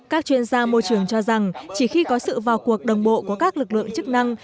các chuyên gia môi trường cho rằng chỉ khi có sự vào cuộc đồng bộ của các lực lượng chức năng